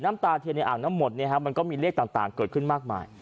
น้ำตาเทียงในอ่างทั้งหมดเนี่ยฮะมันก็มีเลขต่างเกิดขึ้นมากมาย